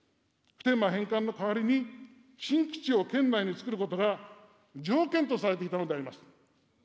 普天間返還の代わりに新基地を県内につくることが条件とされていたのであります。